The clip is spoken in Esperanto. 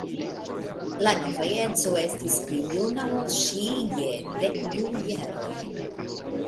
La nova edzo estis pli juna ol ŝi je dek du jaroj.